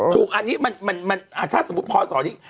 ถูกอันนี้มันถ้าสมมุติพอสอนี้